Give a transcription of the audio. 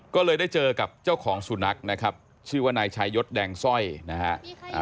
ก็เลยได้เจอกับเจ้าของสุนัขนะครับชื่อว่านายชายศแดงสร้อยนะฮะ